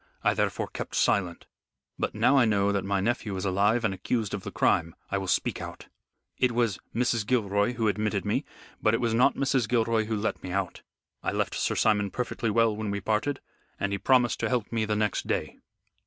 I therefore kept silent. But now I know that my nephew is alive and accused of the crime, I will speak out. It was Mrs. Gilroy who admitted me, but it was not Mrs. Gilroy who let me out. I left Sir Simon perfectly well when we parted, and he promised to help me the next day."